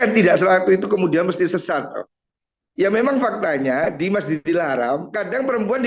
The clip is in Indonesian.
tidak selaku itu kemudian mesti sesat ya memang faktanya di masjidil haram kadang perempuan di